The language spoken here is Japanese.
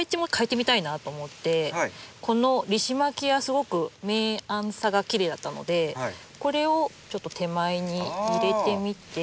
このリシマキアすごく明暗差がきれいだったのでこれをちょっと手前に入れてみて。